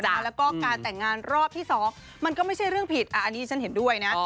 แล้วก็การแต่งงานรอบที่๒มันก็ไม่ใช่เรื่องผิดอันนี้ฉันเห็นด้วยนะ